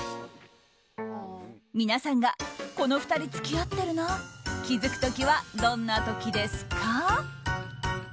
皆さんがこの２人付き合ってるな気づく時はどんな時ですか？